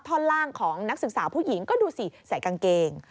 ท่อนล่างของนักศึกษาผู้หญิงก็ดูสิใส่กางเกง